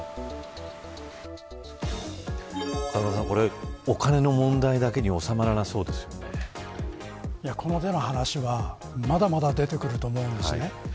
風間さん、これ、お金の問題だけにこの手の話はまだまだ出てくると思うんですね。